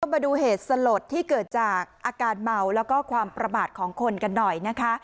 มาดูเหตุสลดที่เกิดจากอาการเมาแล้วก็ความประมาทของคนกันหน่อยนะคะ